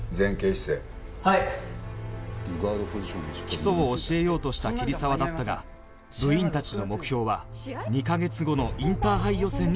基礎を教えようとした桐沢だったが部員たちの目標は２カ月後のインターハイ予選に出る事だった